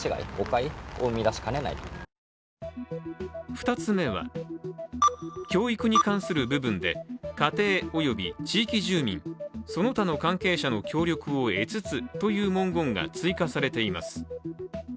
２つ目は教育に関する部分で家庭および地域住民その他の関係者の協力を得つつという文言が追加されています。